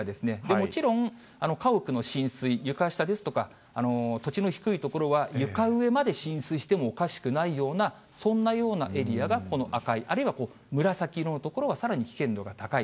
もちろん、家屋の浸水、床下ですとか、土地の低い所は、床上まで浸水してもおかしくないような、そんなようなエリアが、この赤い、あるいは紫色の所はさらに危険度が高い。